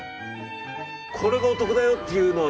これがお得だよっていうのは。